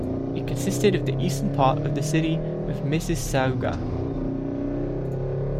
It consisted of the eastern part of the City of Mississauga.